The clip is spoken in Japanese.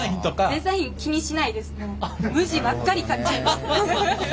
デザイン気にしないです。